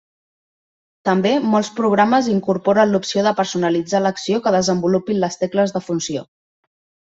També, molts programes incorporen l'opció de personalitzar l'acció que desenvolupin les tecles de funció.